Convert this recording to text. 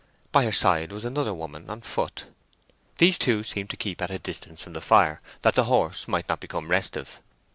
By her side was another woman, on foot. These two seemed to keep at a distance from the fire, that the horse might not become restive.